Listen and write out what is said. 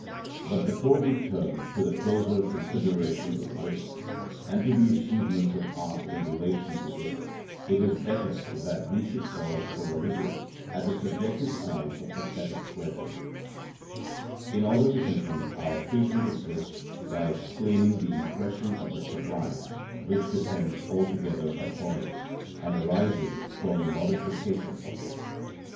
But before we turn to the closer consideration of this, and to the achievements of art in relation to it, it is better that we should pause for a little at the subjective side of æsthetic pleasure, in order to complete our treatment of this by explaining the impression of the sublime which depends altogether upon it, and arises from a modification of it.